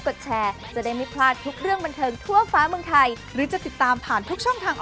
พบคนคุณใหม่เนี่ยแหม่หน้าตาน่ะหล่อขึ้น